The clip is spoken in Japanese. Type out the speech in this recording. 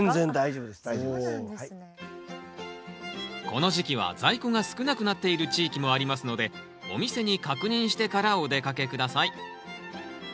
この時期は在庫が少なくなっている地域もありますのでお店に確認してからお出かけ下さい。